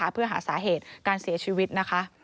เพื่อหาสาเหตุการเสียชีวิตนะคะ